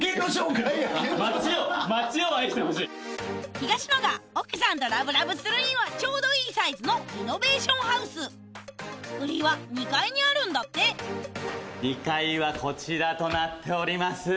東野が奥さんとラブラブするにはちょうどいいサイズのリノベーションハウス売りは２階にあるんだって２階はこちらとなっております！